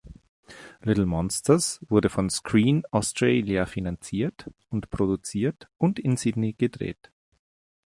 Little Monsters wurde von Screen Australia finanziert und produziert und in Sydney gedreht.